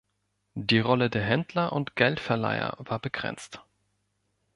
Die Rolle der Händler und Geldverleiher war begrenzt.